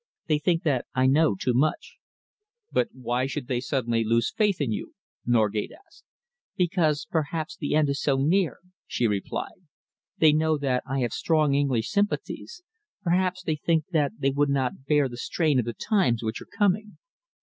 They think that I know too much." "But why should they suddenly lose faith in you?" Norgate asked. "Perhaps because the end is so near," she replied. "They know that I have strong English sympathies. Perhaps they think that they would not bear the strain of the times which are coming."